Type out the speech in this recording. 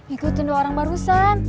ikutin dua orang barusan